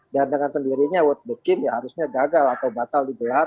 dan dengan sendirinya world beach game ya harusnya gagal atau bakal digelar